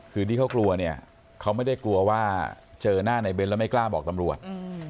คือที่เขากลัวเนี่ยเขาไม่ได้กลัวว่าเจอหน้าในเบ้นแล้วไม่กล้าบอกตำรวจ